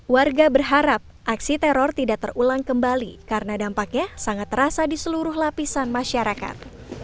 warga berharap aksi teror tidak terulang kembali karena dampaknya sangat terasa di seluruh lapisan masyarakat